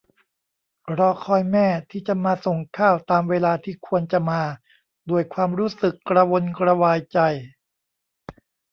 รอคอยแม่ที่จะมาส่งข้าวตามเวลาที่ควรจะมา ด้วยความรู้สึกกระวนกระวายใจ